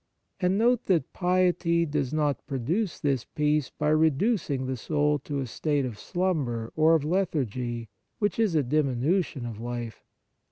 And note that piety does not pro duce this peace by reducing the soul to a state of slumber or of lethargy, which is a diminution of life.